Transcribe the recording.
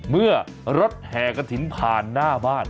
เมื่อรถแห่กระถิ่นผ่านหน้าบ้าน